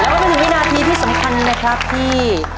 แล้วก็มาถึงวินาทีที่สำคัญนะครับที่